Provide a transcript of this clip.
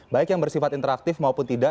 baik yang bersifat interaktif maupun tidak